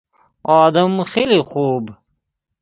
آدم خیلی خوب